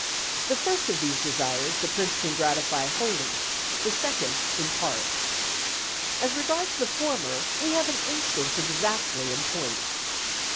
The first of these desires the prince can gratify wholly, the second in part. As regards the former, we have an instance exactly in point.